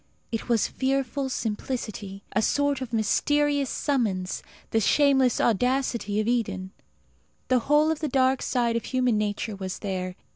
It was fearful simplicity a sort of mysterious summons the shameless audacity of Eden. The whole of the dark side of human nature was there.